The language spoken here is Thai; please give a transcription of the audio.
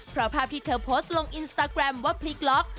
เพราะภาพที่เธอโพสต์ลงอินสตาแกรมว่าพลิกล็อก